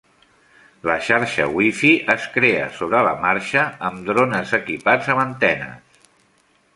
La xarxa wifi es crea sobre la marxa amb drones equipats amb antenes.